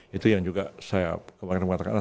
itu yang juga saya kemarin mengatakan